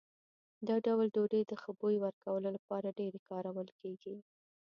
دا ډول ډوډۍ د ښه بوی ورکولو لپاره ډېرې کارول کېږي.